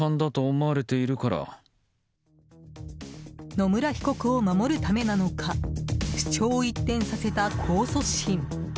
野村被告を守るためなのか主張を一転させた控訴審。